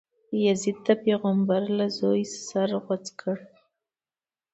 یزید د پیغمبر له زویه سر غوڅ کړی.